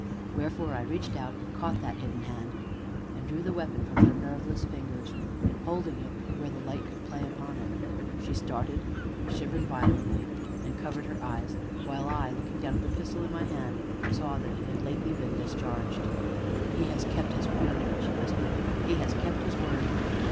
Wherefore I reached out and caught that hidden hand, and drew the weapon from her nerveless fingers, holding it where the light could play upon it. She started, shivered violently, and covered her eyes, while I, looking down at the pistol in my hand, saw that it had lately been discharged. "He has kept his word!" she whispered; "he has kept his word!"